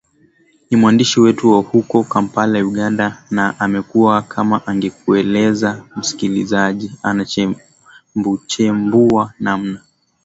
ni mwandishi wetu wa huko kampala uganda na amekuwaa kama angekueleza msikilizaji anachembuachembua namna